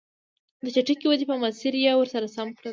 د چټکې ودې په مسیر یې ور سم کړل.